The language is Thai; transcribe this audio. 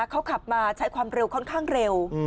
เขาขับมาใช้ความเร็วค่อนข้างเร็ว